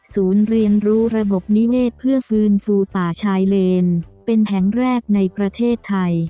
เรียนรู้ระบบนิเวศเพื่อฟื้นฟูป่าชายเลนเป็นแห่งแรกในประเทศไทย